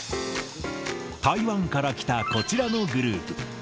台湾から来たこちらのグループ。